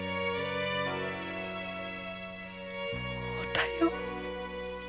おたよ。